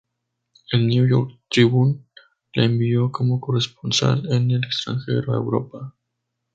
El "New York Tribune" la envió como corresponsal en el extranjero a Europa.